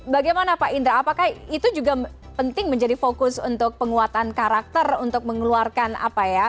bagaimana pak indra apakah itu juga penting menjadi fokus untuk penguatan karakter untuk mengeluarkan apa ya